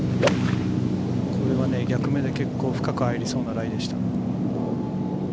これは逆目で結構深く入りそうなライでした。